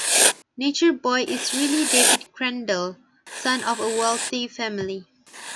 Nature Boy is really David Crandall, son of a wealthy family.